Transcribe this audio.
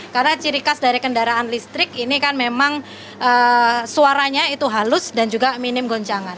karena ciri khas dari kendaraan listrik ini kan memang suaranya itu halus dan juga minim goncangan